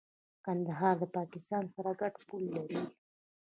کندهار د پاکستان سره ګډه پوله لري.